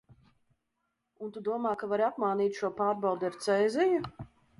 Un tu domā, ka vari apmānīt šo pārbaudi ar cēziju?